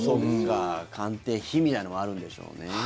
鑑定費みたいなのもあるんでしょうね。